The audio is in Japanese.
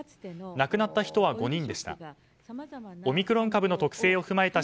亡くなった人は５人でした。